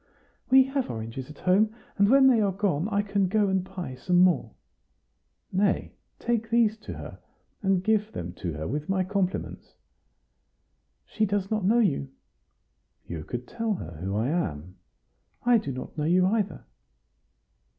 "We have oranges at home; and when they are gone, I can go and buy some more." "Nay, take these to her, and give them to her with my compliments." "She does not know you." "You could tell her who I am." "I do not know you either."